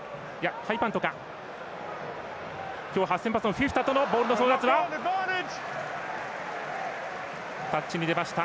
フィフィタとのボールの争奪はタッチに出ました。